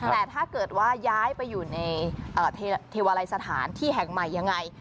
แต่ถ้าเกิดว่าย้ายไปอยู่ในเทวาลัยสถานที่แห่งใหม่ยังไง